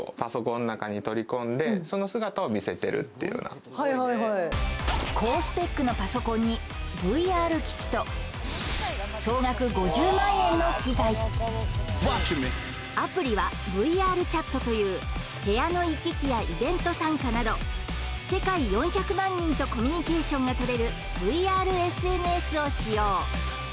あとはいはいはい高スペックのパソコンにＶＲ機器と総額５０万円の機材アプリはＶＲＣｈａｔという部屋の行き来やイベント参加など世界４００万人とコミュニケーションがとれるＶＲＳＮＳを使用